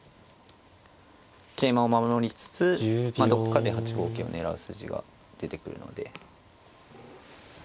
桂馬を守りつつどっかで８五桂を狙う筋が出てくるので。